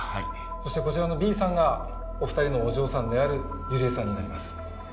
そしてこちらのＢさんがお二人のお嬢さんであるゆりえさんになります。